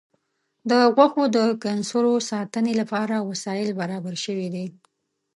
د غوښو د کنسرو ساتنې لپاره وسایل برابر شوي دي.